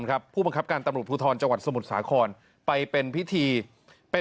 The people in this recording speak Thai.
กับผู้ปังคับการตำรวจภูทรสมุดสาครไปเป็นพิธี